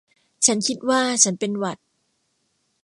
ฉันคิดว่าฉันเป็นหวัด